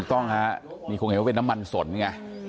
ถูกต้องฮะมีความคิดว่าเป็นน้ำมันส่วนเนี่ย